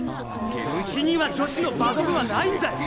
ウチには女子のバド部はないんだよ！